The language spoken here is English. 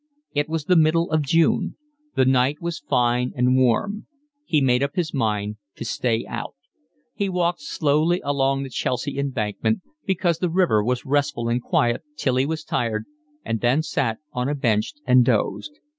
It was the middle of June. The night was fine and warm. He made up his mind to stay out. He walked slowly along the Chelsea Embankment, because the river was restful and quiet, till he was tired, and then sat on a bench and dozed.